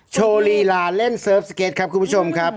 โชว์ลีลาเล่นเซิร์ฟสเก็ตครับคุณผู้ชมครับ